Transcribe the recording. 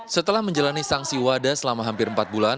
setelah menjalani sanksi wada selama hampir empat bulan